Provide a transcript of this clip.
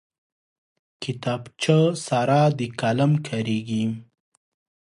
کتابچه سره د قلم کارېږي